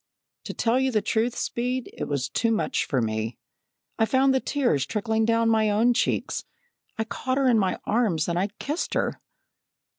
"To tell you the truth, Speed, it was too much for me. I found the tears trickling down my own cheeks. I caught her in my arms and kissed her."